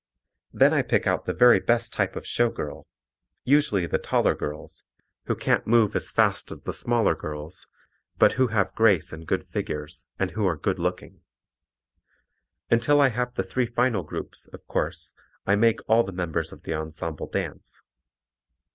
Then I pick out the very best type of show girl, usually the taller girls, who can't move as fast as the smaller girls, but who have grace and good figures, and who are good looking. Until I have the three final groups, of course, I make all the members of the ensemble dance.